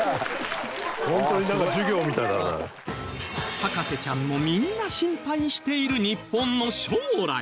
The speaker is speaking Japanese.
博士ちゃんもみんな心配している日本の将来